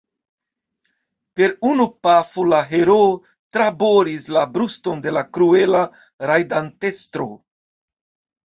Per unu pafo la heroo traboris la bruston de la kruela rajdantestro.